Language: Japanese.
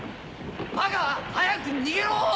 バカ！早く逃げろ！